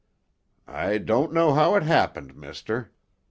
I don't know how it happened, mister.